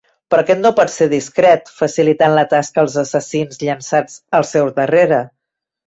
Però aquest no potser discret, facilitant la tasca als assassins llançats al seu darrere.